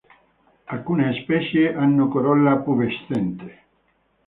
Alcune specie hanno corolla pubescente.